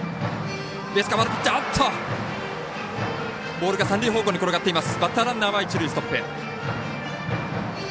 ボールが三塁方向に転がっています。